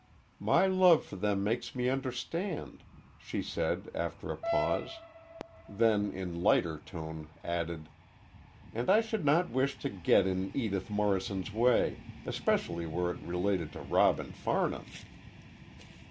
"My love for them makes me understand," she said, after a pause; then in lighter tone added, "and I should not wish to get in Edith Morrison's way, especially where it related to Robin Farnham."